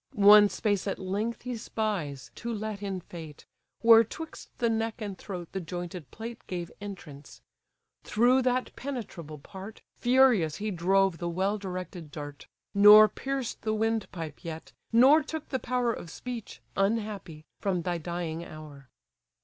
One space at length he spies, to let in fate, Where 'twixt the neck and throat the jointed plate Gave entrance: through that penetrable part Furious he drove the well directed dart: Nor pierced the windpipe yet, nor took the power Of speech, unhappy! from thy dying hour.